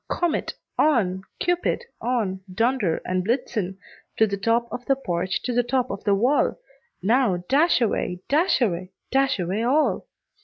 Comet, on! Cupid, on! Dunder and Blitzen To the top of the porch, to the top of the wall! Now, dash away, dash away, dash away all!"